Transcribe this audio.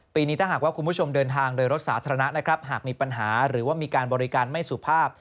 ปีนี้ถ้าหากว่าคุณผู้ชมเดินทางโดยรถสาธารณะนะครับหากมีปัญหาหรือว่ามีการบริการไม่สุภาพ